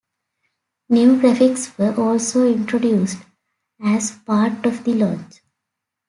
New graphics were also introduced, as part of the launch.